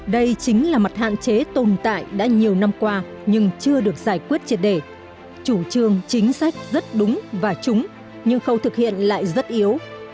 đây chính là mặt hạn chế tồn tại đã nhiều năm qua nhưng chưa được giải quyết triệt đề chủ trương chính sách rất đúng và trúng nhưng khâu thực hiện lại rất yếu